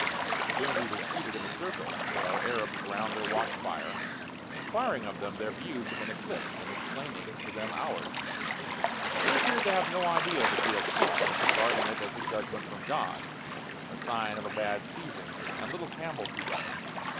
Soon we were seated in a circle, with our Arabs round their watch fire, enquiring of them their views of an eclipse, and explaining to them ours. They appeared to have no idea of its real cause, regarding it as a judgment from God, a sign of a bad season, and little camel feed.